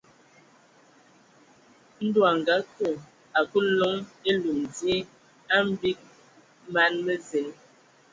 Ndɔ a ngakǝ loŋ elum dzie a mgbig man mo zen.